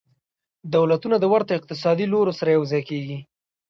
دولتونه د ورته اقتصادي لورو سره یوځای کیږي